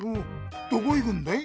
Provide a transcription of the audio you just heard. どこ行くんだい？